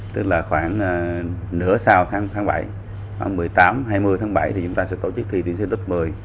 tức là khoảng nửa sau tháng bảy khoảng một mươi tám hai mươi tháng bảy thì chúng ta sẽ tổ chức thi tuyển sinh lớp một mươi